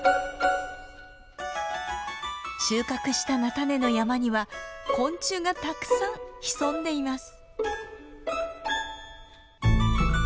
収穫した菜種の山には昆虫がたくさん潜んでいます。